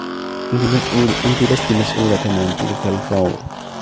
أنتِ لستِ مسؤولة عن تلك الفوضى.